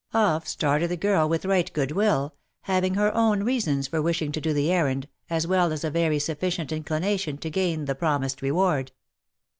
Off started the girl with right good will, having her own reasons for wishing to do the errand, as well as a very sufficient inclination to gain the promised reward.